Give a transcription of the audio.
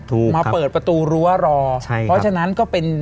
ถูกครับมาเปิดประตูรั้วรอใช่ครับเพราะฉะนั้นก็เป็น